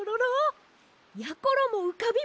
やころもうかびました！